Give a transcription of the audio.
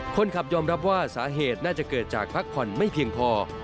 คนขับยอมรับว่าสาเหตุน่าจะเกิดจากพักผ่อนไม่เพียงพอ